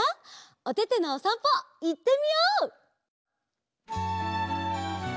おててのおさんぽいってみよう！